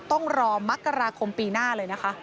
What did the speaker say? ต้องรอมกราคมปีหน้าเลยนะคะ